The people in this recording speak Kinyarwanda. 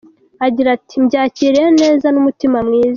Agira ati “Mbyakiriye neza n’umutima mwiza.